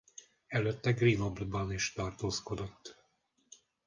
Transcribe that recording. Előtte Grenobleban is tartózkodott.